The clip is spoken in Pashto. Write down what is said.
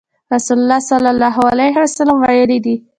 رسول الله صلی الله عليه وسلم ويلي دي :